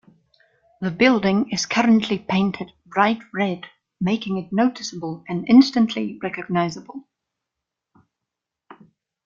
The building is currently painted bright red, making it noticeable and instantly recognizable.